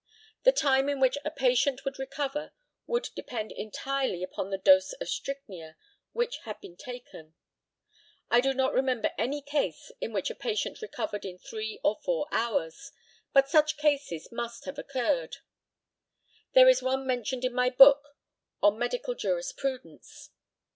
The time in which a patient would recover would depend entirely upon the dose of strychnia which had been taken. I do not remember any case in which a patient recovered in three or four hours, but such cases must have occurred. There is one mentioned in my book on medical jurisprudence.